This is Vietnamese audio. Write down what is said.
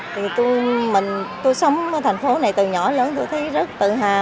thì mình tôi sống ở thành phố này từ nhỏ lớn tôi thấy rất tự hào